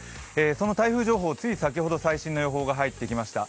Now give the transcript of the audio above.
その台風情報、つい先ほど最新の情報が入ってきました。